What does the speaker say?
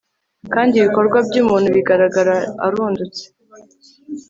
kandi ibikorwa by'umuntu bigaragara arundutse